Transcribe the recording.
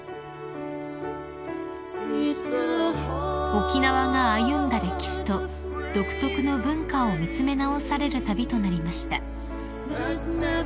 ［沖縄が歩んだ歴史と独特の文化を見詰め直される旅となりました］